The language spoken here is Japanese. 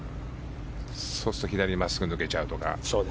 そうすると左に真っすぐ抜けちゃうとか。